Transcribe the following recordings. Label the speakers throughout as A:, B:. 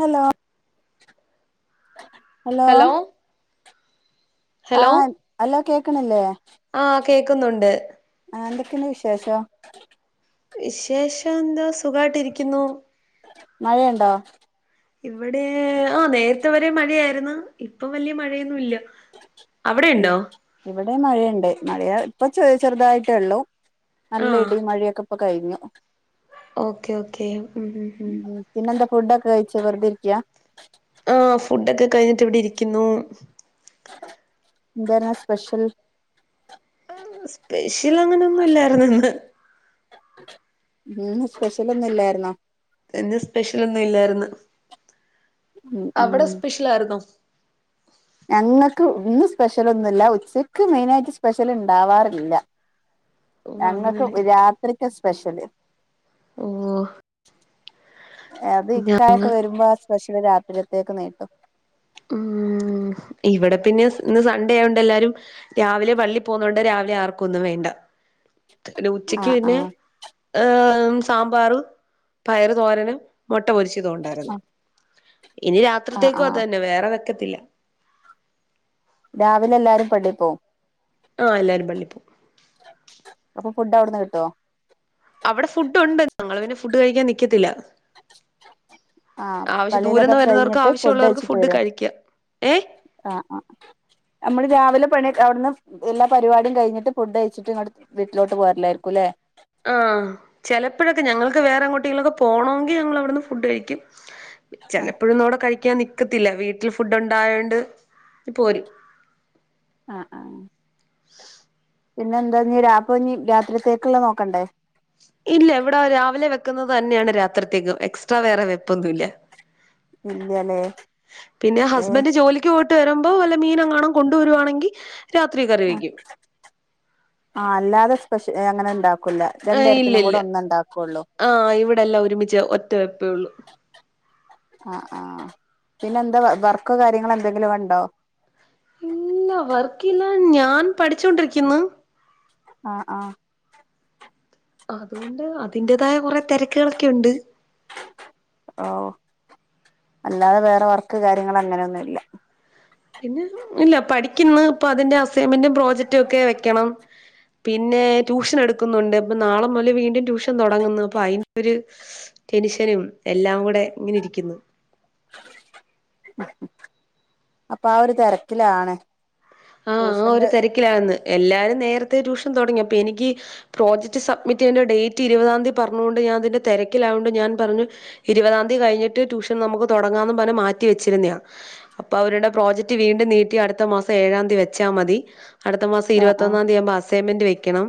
A: Hello hello
B: hello
A: ആഹ് അല്ല കേക്കണില്ലേ
B: ആഹ് കേക്കുന്നുണ്ട്
A: ആഹ് എന്തൊക്കെയ വിശേഷോ
B: വിശേഷം എന്താ സുഖയിട്ടിരിക്കുന്നു
A: മഴയുണ്ടോ
B: ഇവിടെ ആഹ് നേരത്തെ വരെ മഴയായിരുന്നു ഇപ്പൊ വലിയ മഴയൊന്നും ഇല്ല അവിടെയുണ്ടോ
A: ഇവിടെ മഴയുണ്ട് മഴയ ഇപ്പൊ ചെറിയ ചെറുതായിട്ടേ ഉള്ളു നല്ല
B: ആഹ്
A: ഇടി മഴയൊക്കെ ഇപ്പൊ കൈഞ്ഞു
B: ഓക്കെ ഓക്കെ ഉം ഉം ഉം
A: പിന്നെന്താ ഫുഡൊക്കെ കഴിച്ച വെറുത ഇരിക്ക
B: ആഹ് ഫുഡൊക്കെ കഴിഞ്ഞിട്ട് ഇവിടെ ഇരിക്കുന്നു
A: എന്തായിരുന്ന് സ്പെഷ്യൽ
B: സ്പെഷ്യൽ അങ്ങനൊന്നുല്ലാ യിരുന്ന് ഇന്ന്
A: ഇന്ന് സ്പെഷ്യലൊന്നും ഇല്ലായിരുന്നോ
B: ഇന്ന് സ്പെഷ്യലൊന്നു ഇല്ലായിരുന്ന്
A: ഉം
B: അവിടെ
A: ഉം
B: സ്പെഷ്യലായിരുന്നോ
A: ഞങ്ങക്ക് ഇന്ന് സ്പെഷ്യലൊന്നുല്ല ഉച്ചക്ക് മെയിനായിട്ട് സ്പെഷ്യൽ ഇണ്ടാവാറില്ല
B: ഓ
A: ഞങ്ങക്ക്
B: അങ്ങനെ
A: രാത്രിക്കാ സ്പെഷ്യല്
B: ഓഹ്
A: അത്
B: ഞങ്ങ
A: ഇക്കായൊക്കെ വരുമ്പോ ആഹ് സ്പെഷ്യല് രാത്രിത്തേക്ക് നീട്ടും
B: ഉം ഇവിടെ പിന്നെ ഇന്ന് സൺണ്ടേ ആയോണ്ട് എല്ലാരും രാവിലെ പള്ളി പോന്നോണ്ട് രാവിലെ ആർക്കൊന്നും വേണ്ട പിന്നെ
A: ആ
B: ഉച്ചക്ക് പിന്നെ
A: ആ
B: ഏഹ് സാമ്പാറ് പയറു തോരനും മുട്ട പൊരിച്ചതൊണ്ടായിരുന്നു ഇനി
A: ആ ആ
B: രാത്രിത്തേക്കും അത് തന്നെ വേറെ വെക്കത്തില്ല
A: രാവിലെ എല്ലാരും പള്ളിപ്പോം
B: ആഹ് എല്ലാരും പള്ളിപ്പോം
A: അപ്പൊ ഫുഡ് അവിടുന്ന് കിട്ടോ
B: അവിടെ ഫുഡ് ഉണ്ട് ഞങ്ങള് പിന്നെ ഫുഡ് കഴിക്കാൻ നിക്കത്തില്ല
A: ആ
B: ആവശ്യം
A: പള്ളിയിലതൊക്കെ
B: ദൂരന്ന് വരുന്നവർക്ക്
A: കഴിഞ്ഞിട്ട്
B: ആവശ്യമുള്ളവർക്ക് ഫുഡ് കഴിക്ക ഏഹ്
A: ആഹ് ആഹ് നമ്മള് രാവിലെ പണി അവിടുന്ന് എല്ലാ പരിപാടിയും കഴിഞ്ഞിട്ട് ഫുഡ് കഴച്ചിട്ട് ഇങ്ങട് വീട്ടിലോട്ട് പോരലായിരിക്കൂലേ
B: ആഹ് ചെലപ്പോഴൊക്കെ ഞങ്ങൾക്ക് വേറെ എങ്ങോട്ടെങ്കിലൊക്കെ പോണോങ്കി ഞങ്ങളവിടുന്ന് ഫുഡ് കഴിക്കും
A: ആ
B: ചെലപ്പോഴൊന്നും അവിടെ കഴിക്കാൻ നിക്കത്തില്ല വീട്ടിൽ ഫുഡ് ഉണ്ടായോണ്ട് പോരും
A: ആഹ് ആഹ് പിന്നെ എന്താഞ്ഞി രാപ്പൊ ഞ്ഞി രാത്രിത്തേക്കുള്ള നോക്കണ്ടേ
B: ഇല്ല ഇവിടെ രാവിലെ വെക്കുന്നത് തന്നെയാണ് രാത്രിത്തേക്കും എക്സ്ട്രാ വേറെ വെപ്പൊന്നും ഇല്ല
A: ഇല്ലല്ലേ
B: പിന്നെ
A: ഏ
B: ഹസ്ബൻഡ് ജോലി ക്ക്‌ പോയിട്ട് വരുമ്പോ വല്ല മീനെങ്ങാണം കൊണ്ടുവരുവാണെങ്കി രാത്രി കറിവെക്കും
A: ആഹ് അല്ലാതെ സ്പെഷ്യ അങ്ങനെണ്ടാ ക്കൂലാ
B: ഏഹ്
A: രണ്ടേരത്തിനും
B: ഇല്ലില്ല
A: കൂടെ ഒന്നണ്ടാക്കുള്ളൂ
B: ആഹ് ഇവിടെല്ലാം ഒരുമിച്ച് ഒറ്റ വെപ്പേ ഉള്ളൂ
A: ആഹ് ആഹ് പിന്നെ എന്താ വർക്കോ കാര്യങ്ങളോ എന്തെങ്കിലും ഉണ്ടോ
B: ഇല്ല വർക്കില്ല ഞാൻ പഠിച്ചോണ്ടിരിക്കുന്ന്
A: ആഹ് ആഹ്
B: അതുകൊണ്ട് അതിന്റേതായ കുറെ തെരക്കുകളൊക്കെ ഉണ്ട്
A: ഓഹ് അല്ലാതെ വേറെ വർക്ക് കാര്യങ്ങള് അങ്ങനെയൊന്നുല്ല
B: പിന്നെ ഇല്ല പഠിക്കുന്ന് ഇപ്പൊ അതിന്റെ അസൈൻമെന്റും പ്രോജക്ടും ഒക്കെ വെക്കണം പിന്നെ ട്യൂഷൻ എടുക്കുന്നുണ്ട് ഇപ്പൊ നാളെ മുതല് വീണ്ടും ട്യൂഷൻ തുടങ്ങുന്ന് അപ്പൊ അതിന്റൊരു ടെനുഷനും എല്ലാം കൂടെ ഇങ്ങനെ ഇരിക്കുന്ന്
A: അപ്പൊ ആഹ് ഒരു തെരക്കിലാണ്
B: ആഹ് ആഹ് ഒരു തിരക്കിലാന്ന് എല്ലാരും നേരത്തെ ട്യൂഷൻ തൊടങ്ങി അപ്പൊ എനിക്ക് പ്രോജക്ട് സബ്മിറ്റ് ചെയ്യണ്ട ഡേറ്റ് ഇരുപതാം തീയതി പറഞ്ഞോണ്ട് ഞാൻ അതിന്റെ തിരക്കിലായോണ്ട് ഞാൻ പറഞ്ഞു ഇരുപതാംതി കഴിഞ്ഞട്ട് ട്യൂഷൻ നമുക്ക് തുടങ്ങാന്ന് പറഞ്ഞ് മാറ്റി വെച്ചിരുന്നയാ അപ്പ അവര്ടെ പ്രോജെക്ട് വീണ്ടും നീട്ടി അട്ത്ത മാസം ഏഴാം ന്തി വെച്ചാ മതി അട്ത്ത മാസം
A: ആ ആ
B: ഇര്പത്തൊന്നാംന്തി ആവ്മ്പം അസൈൻമെന്റ് വെയ്ക്കെണം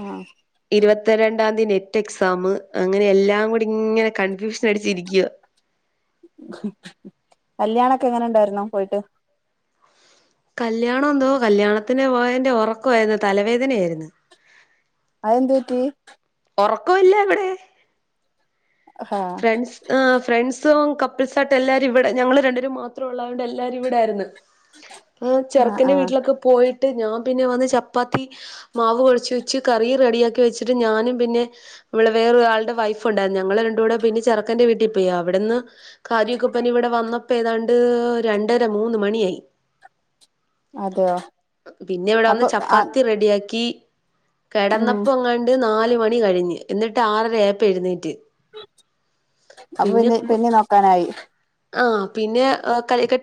A: ആ
B: ഇര്പത്ത രണ്ടാംന്തി നെറ്റെക്സാമ് അങ്ങെനെ എല്ലാം കൂടി ഇങ്ങെനെ കൺഫ്യൂഷനടിച്ചിരിക്ക്യുവാ
A: കല്യാണൊക്കെ എങ്ങെനെണ്ടായ്രുന്നു പോയ്ട്ട്
B: കല്യാണം എന്തോ കല്യാണത്തിന് പോയേന്റെ ഒറക്കവാ ഇത് തലവേദനയായ്ര്ന്ന്
A: അതെന്ത് പറ്റി
B: ഒറക്കവ്‌ല്ല ഇബടെ
A: ഹാ
B: ഫ്രണ്ട്സ് ആഹ് ഫ്രണ്ട്സും കപ്പിൾസായിട്ട് എല്ലാരും ഇവിടെ ഞങ്ങള് രണ്ടു പേരും മാത്രം ഒള്ളതോണ്ട് എല്ലാവരും ഇവിടായരുന്നു ആഹ് ചെറ്ക്കെന്റെ വീട്ടിലൊക്കെ പോയിട്ട് ഞാൻ പിന്നെ വന്ന് ചപ്പാത്തി മാവ് കുഴച്ചു വെച്ച് കറിയും റെഡിയാക്കി വെച്ചിട്ട് ഞാനും പിന്നെ ഇവെടെ വേറൊരാൾടെ വൈഫ് ഉണ്ടായ്ര്ന്നു ഞങ്ങള് രണ്ടൂ‌ടെ പിന്നെ ചെറ്ക്കെന്റെ വീട്ടി പോയി അവിട്ന്ന് കാര്യൊക്ക പ്പിന്നെ ഇവിടെ വന്ന ഇപ്പ ഏതാണ്ട് രണ്ടര മൂന്ന് മണിയായി
A: അതെയോ
B: പിന്നെ ഇവിടെ വന്ന്
A: അപ്പൊ ആഹ്
B: ചപ്പാത്തി റെഡിയാക്കി
A: ഉം
B: കെടന്നപ്പങ്ങാണ്ട് നാല് മ ണി കഴിഞ്ഞ് എന്നിട്ട് ആറര ആയപ്പം എഴ്ന്നേറ്റ്
A: അപ്പൊ പിന്നെ പിന്നെ നോക്കാനായി
B: ആഹ് പിന്നെ എഹ് ക കെ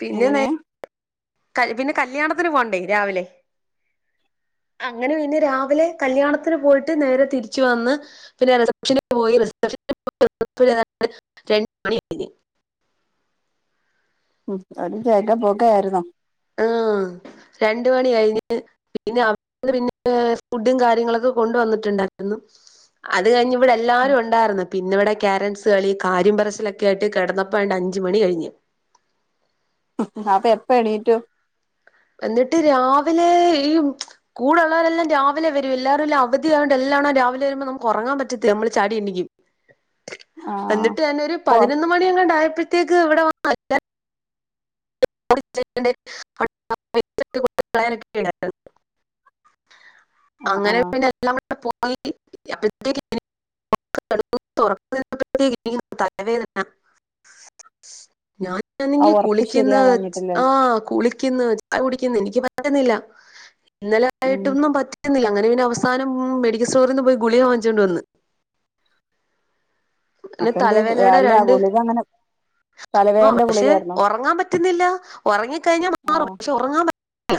B: പിന്നെ നേ
A: എങ്ങനെ
B: ക പിന്നെ കല്യാണത്തിന് പോണ്ടേ രാവിലെ അങ്ങെനെ പിന്നെ രാവിലെ കല്യാണത്തിന് പോയിട്ട് നേരെ തിരിച്ച് വന്ന് പിന്നെ റിസപ്ഷന് പോയി റിസപ്ഷന് [unintelligible] രണ്ട് മണി കഴിഞ്ഞ്
A: ഉം ഒര് ജെഗ പാെക ആയിര്ന്നോ
B: ആഹ് രണ്ട് മണി കഴിഞ്ഞ് പിന്നെ അവ പിന്നെ ഫുഡും കാര്യങ്ങളൊക്കെ കൊണ്ടുവന്നിട്ടുണ്ടായ്ര്ന്നു അത് കഴിഞ്ഞ് ഇവിടെ എല്ലാരു ഉണ്ടാര്ന്ന് പിന്നെവ്ടെ ക്യാരൻസ് കളി കര്യം പറച്ചിലൊക്കേയിട്ട് കെടന്നപ്പോ ആണ്ട് അഞ്ച് മണി കഴിഞ്ഞ്
A: ഉം അപ്പെ എപ്പം എണീറ്റു
B: എന്നിട്ട് രാവിലെ ഈ കൂടെ ഉള്ളെവരെല്ലാം രാവിലെ വെരും എല്ലാരുംലെ അവധിയായോണ്ട് എല്ലാണം രാവിലെ വരുമ്പോ നമുക്ക് ഒറങ്ങാൻ പറ്റത്തില്ല നമ്മള് ചാടി എണീക്കും
A: ആഹ്
B: എന്നിട്ട് ഞാനൊരു
A: ഓ
B: പതിനൊന്ന് മണിയെങ്ങാണ്ടായപ്പഴ്ത്തേക്ക് ഇവിടെ വ [unintelligible]
A: ആഹ്
B: അങ്ങനെ
A: ആഹ്
B: പിന്നെ എല്ലാം കൂടെ പോയി അപ്പഴ്ത്തേക്ക് [unintelligible] [unintelligible]
A: ആ
B: ഞാനാണെങ്കി
A: ഉറക്ക്
B: കുളിക്ക്ന്ന്
A: ശരിയാവാഞ്ഞിട്ടല്ലേ
B: ആഹ് ആഹ് കുളിക്ക്ന്ന് ചായ കുടിക്ക്ന്ന് എനിക്ക് പറ്റ്ന്നില്ല ഇന്നലെ
A: ഉം
B: ആയിട്ടൊന്നും പറ്റ് ന്നില്ല അങ്ങെനെ പിന്നെ അവസാനം മെഡിക്കസ്റ്റോറീന്ന് പോയി ഗുളിക വാങ്ങിച്ചോണ്ട് വന്ന്
A: അപ്പൊ എന്ത്
B: തലവേദനെടെ
A: അല്ല
B: രണ്ട്
A: ഗുളിക അങ്ങനെ
B: ആഹ്
A: തലവേദനന്റെ
B: പക്ഷെ
A: ഗുളികായിരുന്നോ
B: ഒറങ്ങാൻ പറ്റ്ന്നില്ല ഒറങ്ങിക്കഴിഞ്ഞാ മാറും
A: ആഹ്
B: ഒറങ്ങാൻ പറ്റ് ല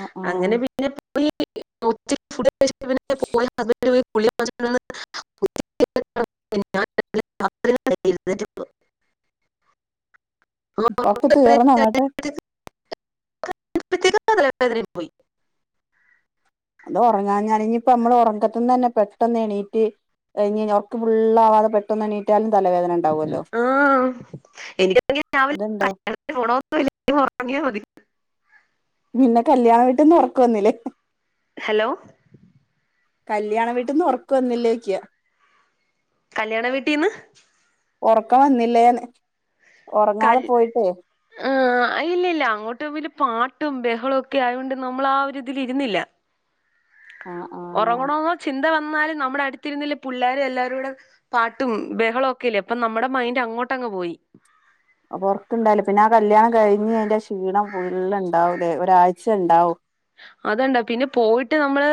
A: ആഹ്
B: അങ്ങെനെ
A: ആഹ്
B: പിന്നെ പോയി [unintelligible] [unintelligible]
A: ഒക്കെ തീർന്നങ്ങട്ട്
B: [unintelligible] പോയ്
A: അതൊറങ്ങാഞ്ഞാണ് ഞ്ഞ്പ്പം അമ്മള് ഒറക്കത്ത്ന്നെന്നെ പെട്ടെന്ന് എണീറ്റ് കഴിഞ്ഞയ്ഞ്ഞ് ഒർക്ക് ഫുള്ളാവാതെ പെട്ടെന്ന് എണീറ്റാലും തലവേദ
B: ആഹ് എനിക്കാണെങ്കി രാവിലെ
A: അതെന്താ
B: കല്യാണത്തിന് പോണോന്നുല്ല ഒറങ്ങ്യാ മതി
A: പിന്നെ കല്യാണ വീട്ട്ന്ന് ഒറക്ക് വന്നിലേ
B: ഹലോ
A: കല്യാണ വീട്ടിന്ന് ഒറ്ക്ക് വന്നില്ലേയ്ക്ക്യാ
B: കല്യാണ വീട്ടീന്ന്
A: ഉറക്കം വന്നില്ലേന്ന് ഉറങ്ങാതെ പോയിട്ടേ
B: ആഹ് ഇല്ല ഇല്ല അങ്ങോട്ടും വല് പാട്ടും ബഹളും ഒക്കെ ആയോണ്ട് നമ്മൾ ആ ഒരുതില് ഇരുന്നില്ല
A: ആഹ് ആഹ്
B: ഉറങ്ങണെന്നോ ചിന്ത വന്നാലും നമ്മുടെ അടുത്തിരുന്നില്ല പുള്ളേർ എല്ലാവരുടെ പാട്ടും ബഹളം ഒക്കെല്ലേ അപ്പൊ നമ്മുടെ മൈൻഡ് അങ്ങോട്ടങ്ങ് പോയി
A: അപ്പൊ ഉറക്കണ്ടായില്ല പിന്നെ ആ കല്യാണം കഴിഞ്ഞ് അതിന്റെ ആ ക്ഷീണം ഫുള് ഉണ്ടാവും അല്ലെ ഒരാഴ്ച ഉണ്ടാവും
B: അതണ്ടാ പിന്നെ പോയിട്ട് നമ്മള്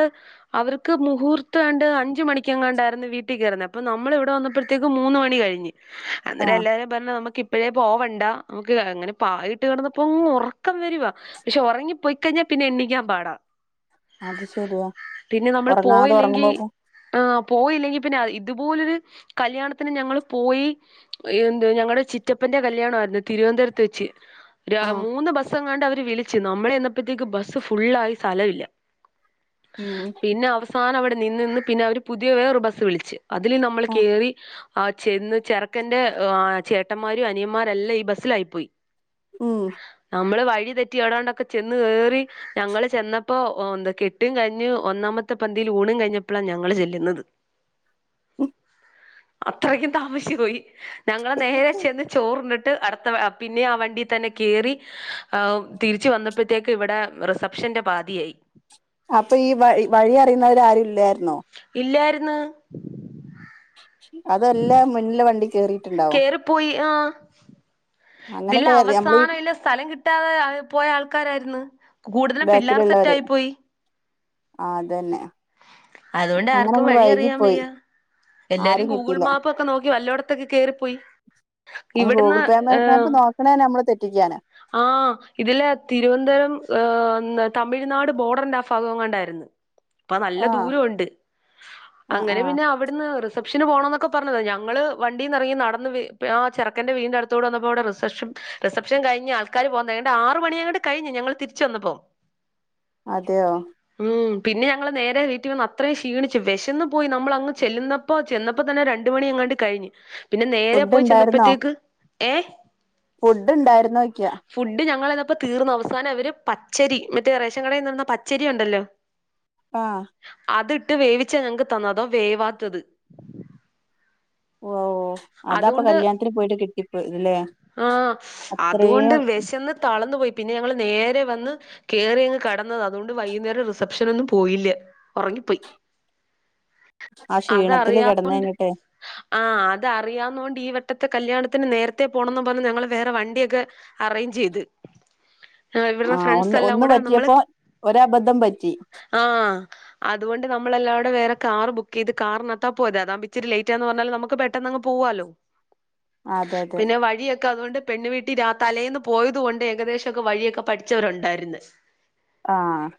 B: അവർക്ക് മുഹൂർത്തം ആണ്ട് അഞ്ച് മണിക്കങ്ങാണ്ടായിരുന്നു വീട്ടിൽ കയറുന്നത് അപ്പം നമ്മൾ ഇവിടെ വന്നപ്പോഴേക്ക് മൂന്ന് മണി കഴിഞ്ഞ്
A: ആഹ്
B: അന്നരെല്ലാരും പറഞ്ഞ് നമുക്ക് ഇപ്പഴേ പോവണ്ട നമുക്ക് അങ്ങനെ പായിട്ട് കിന്നപ്പോ അങ്ങ് ഉറക്കം വരുവാ പക്ഷെ ഉറങ്ങി പോയി കഴിഞ്ഞാൽ പിന്നെ എണ്ണിക്കാൻ പാടാ
A: അത് ശരിയാ
B: പിന്നെ നമ്മള്
A: ഉറങ്ങാതെ
B: പോയില്ലെങ്കിൽ
A: ഉറങ്ങുമ്പോ
B: ആഹ് പോയില്ലെങ്കി പിന്നെ ഇതുപോലൊരു കല്യാണത്തിന് ഞങ്ങള് പോയി എന്ത് ഞങ്ങളടെ ചിറ്റപ്പന്റെ കല്യാണമായിരുന്നു തിരുവനന്തപുരത്ത് വെച്ച്.. ര
A: ആഹ്
B: മൂന്ന് ബസ്സ് എങ്ങാട്ട് അവര് വിളിച്ച് നമ്മൾ എന്നപ്പോഴത്തേക്ക് ബസ്സ് ഫുള്ള ആയി സ്ഥലമില്ല
A: ഉം
B: പിന്നെ അവസാനം അവിടെ നിന്ന് നിന്ന് പിന്നെ അവര് പുതിയ വേറെ ഒരു ബസ്സ് വിളിച്ച്. അതില് നമ്മൾ
A: ആഹ്
B: കേറി.. ആ ചെന്ന് ചെറക്കന്റെ ആ ചേട്ടന്മാരും അനിയന്മാരല്ലാം ഈ ബസ്സിലായി പോയി..
A: ഉം.
B: നമ്മള് വഴി തെറ്റി എടാണ്ടൊക്കെ ചെന്ന് കെറി.. ഞങ്ങള് ചെന്നപ്പോ ന്താ കെട്ടും കഴിഞ്ഞ് ഒന്നാമത്തെ പന്തിയിൽ ഊണും കഴിഞ്ഞപ്പോഴാണ് ഞങ്ങള് ചെല്ലുന്നത്..
A: ഉം..
B: അത്രയ്ക്കും താമസിച്ച് പോയി ഞങ്ങൾ നേരെ ചെന്ന് ചോർന്ന്ട്ട് അടു.. പിന്നെ ആ വണ്ടിൽ തന്നെ കേറി തിരിച്ചു വന്നപ്പോഴത്തേക്ക് ഇവിടെ.. റിസപ്ഷ്ന്റെ പാതിയായി..
A: അപ്പൊ ഈ വഴി വഴി അറിയുന്നവര് ആരും ഇല്ലായിരുന്നോ..
B: ഇല്ലായ്ര്ന്ന്..
A: അതെല്ലാം മുന്നിലെ വണ്ടി കേറിയിട്ടുണ്ടാവും..
B: പോയി ആ..
A: അങ്ങനെ
B: ഇതില്ല
A: കേറി നമ്മള് ഈ
B: അവസാനം ഇല്ല സ്ഥലം കിട്ടാതെ പോയ ആൾക്കാരായിര്ന്ന്.. കൂടുതലും പിള്ളേർ
A: ബാക്കിലുള്ളവര്
B: സെറ്റായി പോയി..
A: ആ അതന്നെ..
B: അതുകൊണ്ട്
A: അങ്ങനെ
B: ആർക്കും
A: ഞങ്ങള്
B: വഴി അറിയാം
A: വൈകിപ്പോയി
B: വയ്യ എല്ലാരും
A: ആരും
B: ഗൂഗുൾ
A: കിട്ടിയില്ല
B: മാപ്പ് ഒക്കെ നോക്കി വല്ലോട ത്തക്കെ കേറി പോയി..
A: അയ്ന് ഗൂഗിൾ പേ മാപ്പ് നോക്ക്‌ണെനെ നമ്മള് തെറ്റിക്കാനാ..
B: ആഹ് ഇതില്ലെ തിരുവനന്തപുരം ഹ തമിഴ്നാട് ബോർഡറിന്റെ ഫാഗം എങ്ങാണ്ടായിരുന്ന്.. അപ്പ നല്ല
A: ആഹ്
B: ദൂരംണ്ട്
A: ആഹ്
B: അങ്ങനെ
A: ആഹ്
B: പിന്നെ അവിടുന്ന്.. റിസപ്ഷന് പോകണംന്നൊക്കെ പറഞ്ഞത ഞൾ വണ്ടീ നി ഇറങ്ങി നടന്ന് ആ ചെർകന്റെ വീടിനടുത്തോടെ വന്നപ്പോൾവിടെ റിസപ്ഷൻ.. റിസപ്ഷൻ കഴിഞ് ആൾകാർ പോന്നേ ണ്ടെ ആറ് മണിയങ്ങാണ്ട് കഴിഞ് ഞങ്ങള് തിരിച്ച വന്നപ്പോ..
A: അതെയോ..
B: ഉം പിന്നെ ഞങ്ങള് നേരെ വീട്ടി.. ന്ന് അത്രയും ക്ഷീണിച്ച് വിശന്ന് പോയി നമ്മൾ അങ് ചെല്ലുന്നപ്പോ ചെന്നപ്പോ തന്നെ രണ്ട മണി അങ്ങാണ്ട് കഴിഞ്.. പിന്നെ നേരെ
A: ഫുഡ്
B: പോയി
A: ഇണ്ടായിരുന്നോ
B: ചെന്നപ്പോത്തേക്ക് ഏ..
A: ഫുഡ് ഉണ്ടായിരുന്നൊ യ്ക്യ..
B: ഫുഡ് ഞങ്ങൾന്നപ്പോ തീർന്നു അവസാനം അവര് പച്ചരി മറ്റേ റേഷൻ കാടെന്ന് തന്ന പച്ചരി ഉണ്ടല്ലോ..
A: ആ..
B: അതിട്ട് വേവിച്ച ഞങ്ങക്ക് തന്നത് അതോ വേവാത്തത്..
A: ഓ അതാ പ്പൊ കല്യാണത്തിന് പോയിട്ട് കിട്ടിപ്പോ ഇല്ലെ..
B: ആഹ് അതുകൊണ്ട് വിശെന്ന് തളന്നു പോയി.. പിന്നെ ഞങ്ങള് നേരെ വന്ന് കെറി അങ്ങ് കെടന്നതാ അതുകൊണ്ട് വൈകുന്നേരം റിസപ്ഷൻ ഒന്നും പോയില്ല ഉറങ്ങിപ്പോയി
A: ആഹ് ക്ഷീണത്തില്
B: അതറിയാ
A: കിടന്ന കഞ്ഞിട്ടെ
B: ആഹ് അത് അറിയാവന്നുകൊണ്ട് ഈ വട്ടത്തെ കല്യാണത്തിന് നേരത്തെ പോണംന്ന് പറഞ്ഞഞ് ഞങ്ങള് വേറെ വണ്ടിയൊക്കെ അറേഞ്ച് ചെയ്ത് ഇവരുടെ
A: ആഹ്
B: ഫ്രണ്ട്സ്
A: ഒന്ന്
B: എല്ലാം
A: ഒന്ന്
B: കൂടെ നമ്മള്
A: പറ്റിയപ്പോ ഒര ബദ്ധം പറ്റി
B: ആഹ് അതുകൊണ്ട് നമ്മൾ എല്ലവിടെ വേറെ കാർ ബുക്ക് ചെയ്ത് കാറിനകത്താ പോയത് അതാ ഇിച്ചിരി ലേറ്റാന്ന് പറഞ്ഞാൽ നമുക്ക് പെട്ടന്ന് അങ് പോവാലോ
A: അതെ അതെ
B: പിന്നെ വഴിയെക്കെ അതുകൊണ്ട് പെണ്ണു വീട്ടിൽ തലേന്ന് പോയത് കൊണ്ട് ഏകദേശംക്കെ വഴിയൊക്കെ പഠിച്ചവരുണ്ടായിരുന്ന്
A: ആഹ്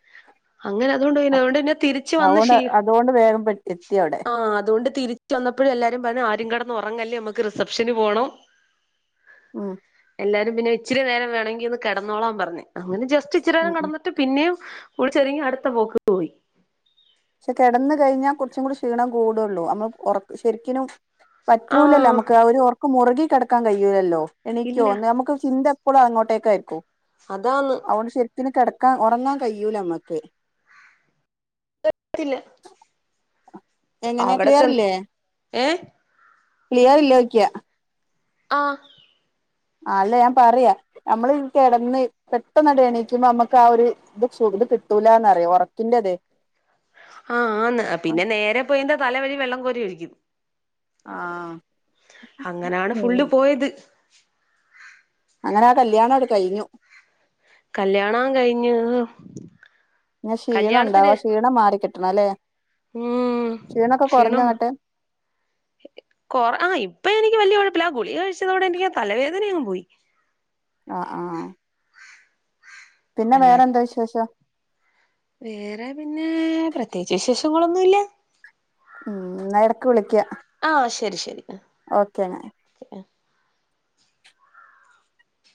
B: അങ്ങനെ അതൊണ്ട് പിന്നെ അതുകൊണ്ട് പിന്നെ തിരിച്ച് വന്ന
A: അതുകൊണ്ട്
B: ക്ഷി
A: അതുകൊണ്ട് വേഗം എത്തി അവിടെ
B: അതുകൊണ്ട് തിരി ചന്നപ്പോഴും എല്ലാരും പറഞ്ഞ ആരും കെടന്ന് ഉറങ്ങല്ലേ നമ്മുക്ക് റിസപ്ഷന് പോണം
A: ആഹ്
B: എല്ലാരും പിന്നെ ഇിച്ചിരി നേരം വേനെങ്കിൽ ഒന്ന് കിടന്നോളാൻ പറഞ് അങ്ങനെ ജസ്റ്റ് ഇച്ചിരി
A: ഉം
B: നേരം
A: ഉം
B: കെടന്നിട്ട്. പിന്നെയും കുളിച്ച് ഒരുങ്ങി അടുത്ത പോക്ക് പോയി.
A: പക്ഷെ കെടന്ന് കഴിഞ്ഞാൽ കുറച്ചും കൂടി ക്ഷീണം കൂടുള്ളൂ നമ്മള് ഉറ ശരിക്കിനും. പറ്റൂലല്ലോ
B: ആഹ്
A: ന്നമ്മക്ക ഒരുഒർക്ക് മുറുകി കെടക്കാൻ കഴിയൂലല്ലോ
B: ഇല്ല
A: എനിക്കോന്ന് നമുക്ക് ചിന്ത. ഇപ്പോളും അങ്ങോട്ടേക്കായിരിക്കും.
B: അതാണ്.
A: അതൊണ്ട് ശെരിക്കുനും കിടക്കാൻ ഉറങ്ങാൻ കഴിയൂല നമ്മക്ക്.
B: [inaudible]
A: [inaudible] എങ്ങനെ
B: അവിടെ ചെന്ന്
A: ക്ലിയറില്ലേ?
B: ഏഹ്
A: ക്ലിയറില്ലേയ്ക്ക്യ.
B: ആഹ്
A: ആല്ല ഞാൻ പറയാ നമ്മള് കിടന്ന് പെട്ടെന്ന് എണീക്കുമ്പോ നമ്മക്ക് ആഹ് ഒരു. [unintelligible] ഇത് കിട്ടൂലാന്നറിയ ഒറക്കിൻ്റെതെ
B: ആഹ് ആന്ന് പിന്നെ നേരെ പോയിന്ത തല വഴി വെള്ളം കോരിഒഴിക്കും.
A: ആഹ്
B: അങ്ങനാണ്
A: ഉം
B: ഫുള്ള് പോയത്.
A: അങ്ങനെ ആഹ് കല്യാണാണ്ട് കഴിഞ്ഞു.
B: കല്യാണാ കഴിഞ്.
A: ഞ ക്ഷീണം ഉണ്ടാവും ആഹ് ക്ഷീണം മാറിക്കിട്ടണല്ലേ?
B: ഉം ക്ഷീണം ആഹ് ഇപ്പൊ എനിക്ക് വലിയ കൊഴപ്പയില്ല ഗുളി കഴിച്ചതോടെ എനിക്ക് തലവേദന അങ്ങ് പോയി
A: ആഹ് ആഹ് ആഹ് പിന്നെ
B: അല്ലാതെ
A: വേറെന്താ വിശേഷം?
B: വേറെ പിന്നെ പ്രത്യേകിച്ച് വിശേഷങ്ങളൊന്നുമില്ല.
A: ഉം എന്നാ എടക്ക് വിളിക്യ.
B: ആഹ്ശരി ശരി
A: ഓക്കെ എന്ന